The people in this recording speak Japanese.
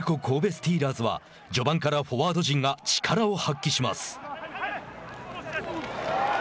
スティーラーズは序盤からフォワード陣が力を発揮します。